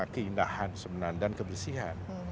keindahan sebenarnya dan kebersihan